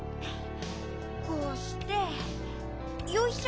こうしてよいしょ。